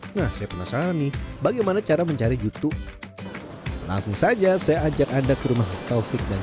nah saya penasaran nih bagaimana cara mencari jutu langsung saja saya ajak anda ke rumah taufik dan